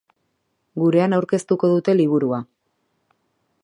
Gurean aurkeztuko dute liburua.